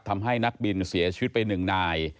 ทำให้นักบินเสียชีวิตไป๑นาย